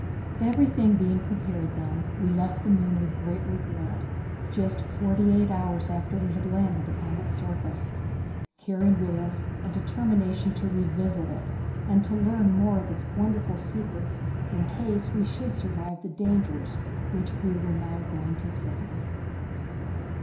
Everything being prepared then, we left the moon with great regret, just forty eight hours after we had landed upon its surface, carrying with us a determination to revisit it and to learn more of its wonderful secrets in case we should survive the dangers which we were now going to face.